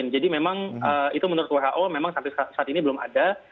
jadi memang itu menurut who memang sampai saat ini belum ada